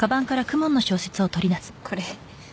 これ